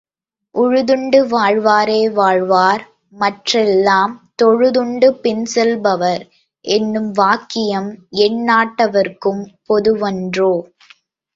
உழுதுண்டு வாழ்வாரே வாழ்வார்மற் றெல்லாம் தொழுதுண்டு பின்செல் power என்னும் வாக்கியம் எந்நாட்டவர்க்கும் பொதுவன்றோ?